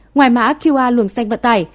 ngoài mã qr luồng xanh vận tải